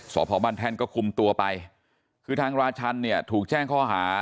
สอบพอบ้านแท่นก็คุมตัวไปคือทางราชันเนี่ยถูกแจ้งข้อหา